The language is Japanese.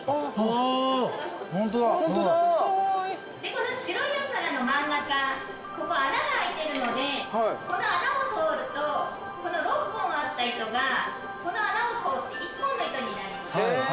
でこの白いお皿の真ん中ここ穴が開いてるのでこの穴を通るとこの６本あった糸がこの穴を通って１本の糸になります。